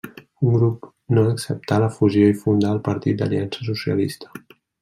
Un grup no acceptà la fusió i fundà el Partit d'Aliança Socialista.